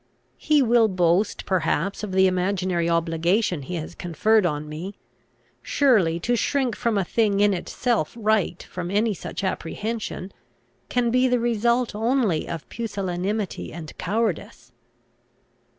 He will boast, perhaps of the imaginary obligation he has conferred on me: surely to shrink from a thing in itself right from any such apprehension, can be the result only of pusillanimity and cowardice!